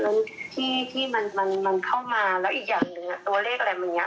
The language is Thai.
แล้วที่มันเข้ามาแล้วอีกอย่างหนึ่งตัวเลขอะไรมันอย่างนี้